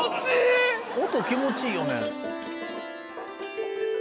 音気持ちいいよね。